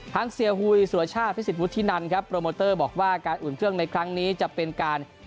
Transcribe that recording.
ทั้งเซียฮุยสุรชาติฟิสิทธิ์ฟุตที่นั้นครับบอกว่าการอุ่นเครื่องในครั้งนี้จะเป็นการ